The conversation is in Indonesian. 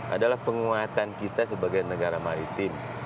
adalah penguatan kita sebagai negara maritim